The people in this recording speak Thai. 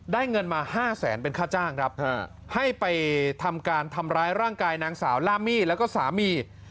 เงินมา๕แสนเป็นค่าจ้างครับให้ไปทำการทำร้ายร่างกายนางสาวลามี่แล้วก็สามี